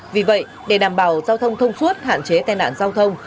vì vậy để đảm bảo giao thông thông suốt hạn chế tai nạn giao thông